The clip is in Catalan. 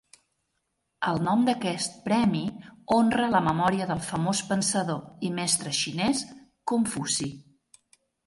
El nom d'aquest premi honra la memòria del famós pensador i mestre xinès Confuci.